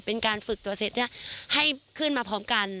เป็นการฝึกตัวเสร็จให้ขึ้นมาพร้อมกัน